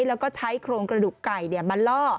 แล้วก็ใช้โครงกระดูกไก่มาล่อ